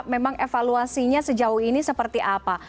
memang evaluasinya sejauh ini seperti apa